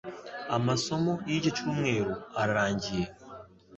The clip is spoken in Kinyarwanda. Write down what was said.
Amasomo y icyo cyumweru ararangiye